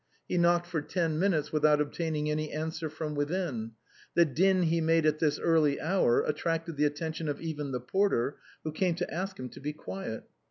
He knocked for ten minutes without obtaining any answer from within; the din he made at this early hour attracted the attention of even the porter, who came to ask him to be quiet.